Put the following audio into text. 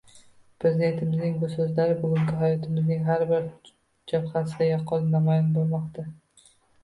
Prezidentimizning bu so‘zlari bugungi hayotimizning har bir jabhasida yaqqol namoyon bo‘lmoqda